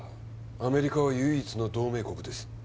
アメリカは唯一の同盟国です